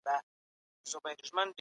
ستاسو رضایت زموږ هدف دی.